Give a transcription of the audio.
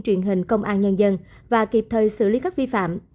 truyền hình công an nhân dân và kịp thời xử lý các vi phạm